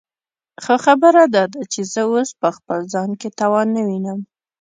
خو خبره داده چې زه اوس په خپل ځان کې توان نه وينم.